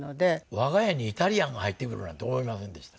我が家にイタリアンが入ってくるなんて思いませんでした。